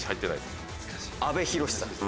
阿部寛さん。